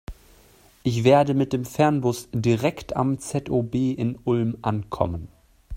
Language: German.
Ich werde mit dem Fernbus direkt am ZOB in Ulm ankommen.